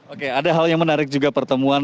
oke ada hal yang menarik juga pertemuan